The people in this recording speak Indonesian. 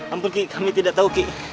ampun ki kami tidak tahu ki